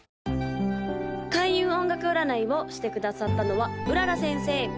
・開運音楽占いをしてくださったのは麗先生